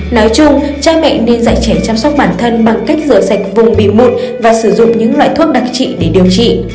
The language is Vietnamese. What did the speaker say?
nói chung cha mẹ nên dạy trẻ chăm sóc bản thân bằng cách rửa sạch vùng bì mụn và sử dụng những loại thuốc đặc trị để điều trị